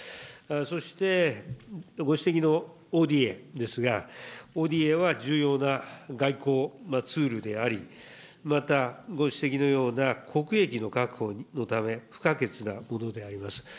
そしてご指摘のＯＤＡですが、ＯＤＡは重要な外交ツールであり、また、ご指摘のような国益の確保のため、不可欠なものであります。